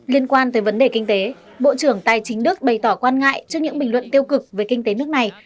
liên quan tới vấn đề kinh tế bộ trưởng tài chính đức bày tỏ quan ngại trước những bình luận tiêu cực về kinh tế nước này